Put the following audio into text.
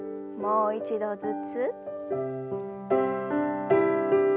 もう一度ずつ。